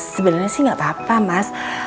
sebenarnya sih nggak apa apa mas